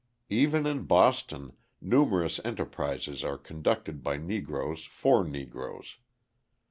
Even in Boston numerous enterprises are conducted by Negroes for Negroes.